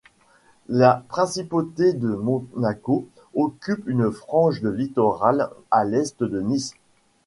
La principauté de Monaco occupe une frange de littoral à l'est de Nice.